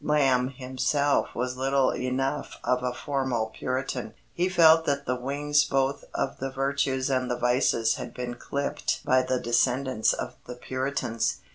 Lamb himself was little enough of a formal Puritan. He felt that the wings both of the virtues and the vices had been clipped by the descendants of the Puritans.